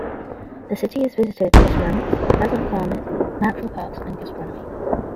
The city is visited for ceramics, a pleasant climate, natural parks and gastronomy.